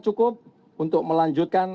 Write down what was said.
cukup untuk melanjutkan